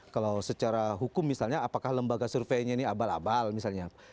kalau secara hukum misalnya apakah lembaga surveinya ini abal abal misalnya